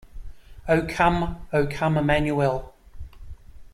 O come O come Emmanuel.